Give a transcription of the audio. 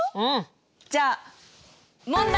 じゃあ問題！